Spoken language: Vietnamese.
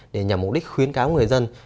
để nhằm mục đích khuyến cáo người dân